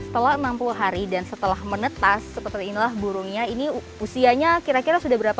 setelah enam puluh hari dan setelah menetas seperti inilah burungnya ini usianya kira kira sudah berapa